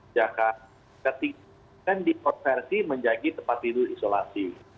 maka ketika dikonversi menjadi tempat tidur isolasi